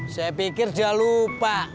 saya pikir dia lupa